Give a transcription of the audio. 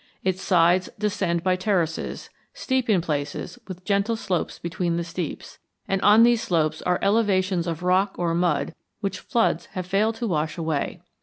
Its sides descend by terraces, steep in places with gentle slopes between the steeps, and on these slopes are elevations of rock or mud which floods have failed to wash away.